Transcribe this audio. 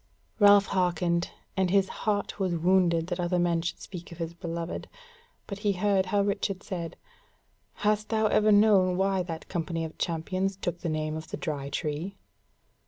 Ralph hearkened, and his heart was wounded that other men should speak of his beloved: but he heard how Richard said: "Hast thou ever known why that company of champions took the name of the Dry Tree?"